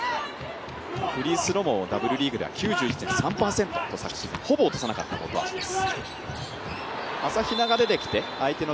フリースローもＷリーグでは９３％と昨シーズンほぼ落とさなかった本橋です。